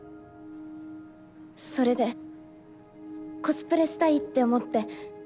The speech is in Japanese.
それでコスプレしたいって思って。